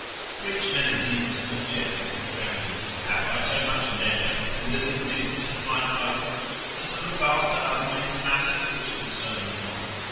Which Menedemus objected to Chremes; have I so much leisure, or little business of mine own, as to look after other men's matters which concern me not?